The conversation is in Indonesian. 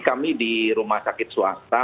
kami di rumah sakit swasta